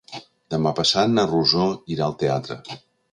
Demà passat na Rosó irà al teatre.